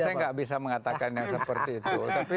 saya nggak bisa mengatakan yang seperti itu